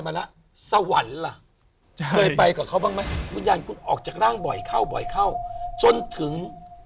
เพราะหลังจากวิญญาณคุณออกจากร่างบ่อยเข้าบ่อยเข้าจนถึง